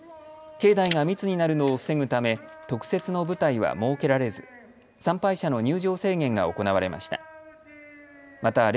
境内が密になるのを防ぐため特設の舞台は設けられず参拝者の入場制限が行われました。